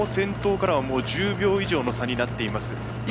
この橋本も先頭からは１０秒以上の差になっています。